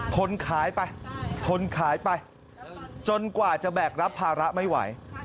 นขายไปทนขายไปจนกว่าจะแบกรับภาระไม่ไหว